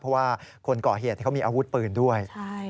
เพราะว่าคนก่อเหตุเขามีอาวุธปืนด้วย